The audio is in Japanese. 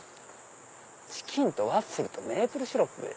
チキンとワッフルとメープルシロップ？